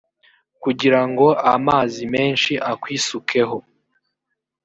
kugira ngo amazi menshi akwisukeho